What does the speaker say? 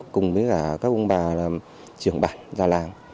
cùng với cả các ông bà trưởng bản ra làng